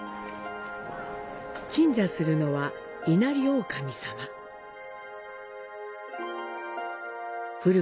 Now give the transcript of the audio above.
鎮座するのは稲荷大神さま。